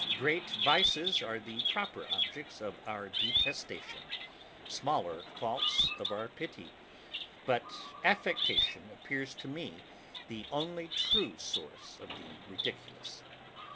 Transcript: Great vices are the proper objects of our detestation, smaller faults of our pity: but affectation appears to me the only true source of the Ridiculous.